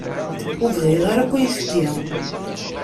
Ur bɣiɣ ara akk ayefki.